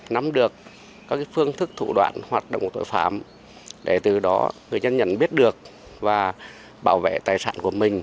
nắm được các phương thức thủ đoạn hoạt động của tội phạm để từ đó người dân nhận biết được và bảo vệ tài sản của mình